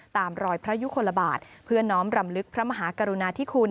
ตามรอยพระยุคลบาทเพื่อน้อมรำลึกพระมหากรุณาธิคุณ